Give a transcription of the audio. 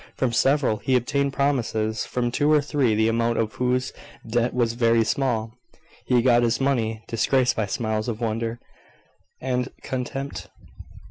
From several he obtained promises; from two or three the amount of whose debt was very small, he got his money, disgraced by smiles of wonder and contempt.